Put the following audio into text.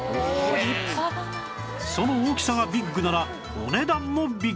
その大きさがビッグならお値段もビッグ